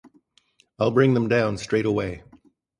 I'll bring them down straight away.